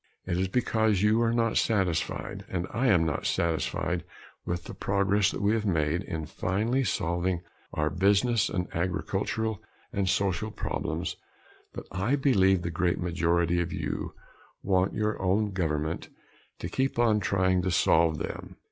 It is because you are not satisfied, and I am not satisfied, with the progress that we have made in finally solving our business and agricultural and social problems that I believe the great majority of you want your own government to keep on trying to solve them.